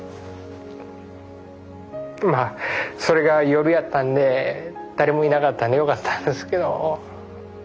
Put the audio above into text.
まあそれが夜やったんで誰もいなかったんでよかったんですけど。